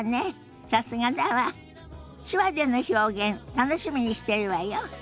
手話での表現楽しみにしてるわよ。